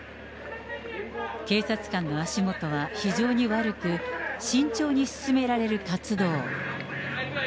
警察官の足元は非常に悪く、慎重に進められる活動。